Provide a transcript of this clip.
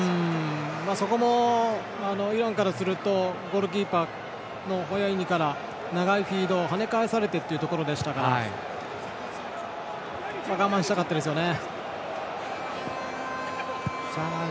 そこもイランからするとゴールキーパーのホセイニから跳ね返されてというところで我慢したかったですね。